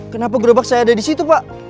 kenapa gerobak saya ada disitu pak